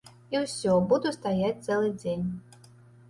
І ўсё, буду стаяць цэлы дзень.